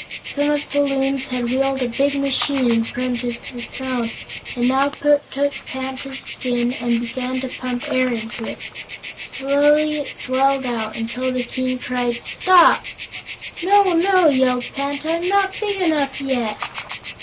Some of the Loons had wheeled a big machine in front of the throne and now took Panta's skin and began to pump air into it. Slowly it swelled out until the King cried "Stop!" "No, no!" yelled Panta, "I'm not big enough yet."